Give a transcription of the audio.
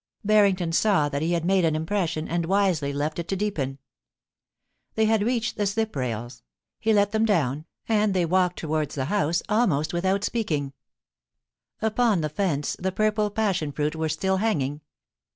Barrington saw that he had made an impression, and wisely left it to deepen. They had reached the slip rails ; he let them down, and they walked towards the house almost without speaking. 156 POLICY AND PASSION. Upon the fence the purple passion fruit were still hanging.